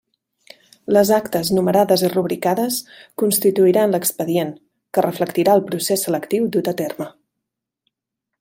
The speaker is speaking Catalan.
Les actes numerades i rubricades constituiran l'expedient, que reflectirà el procés selectiu dut a terme.